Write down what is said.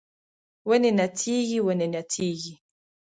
ونې نڅیږي ونې نڅیږي